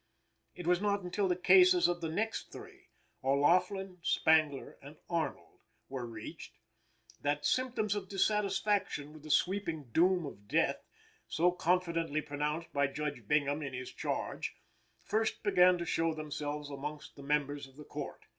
It was not until the cases of the next three O'Laughlin, Spangler and Arnold were reached, that symptoms of dissatisfaction with the sweeping doom of death, so confidently pronounced by Judge Bingham in his charge, first began to show themselves amongst the members of the Court.